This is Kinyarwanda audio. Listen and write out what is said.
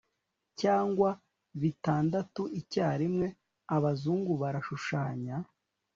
cyangwa bitandatu icyarimwe, abazungu barashushanya